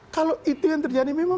kalau itu yang terjadi memang